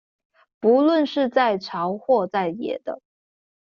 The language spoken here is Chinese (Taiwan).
不論是在朝或在野的